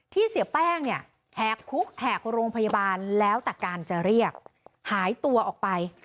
เสียแป้งเนี่ยแหกคุกแหกโรงพยาบาลแล้วแต่การจะเรียกหายตัวออกไป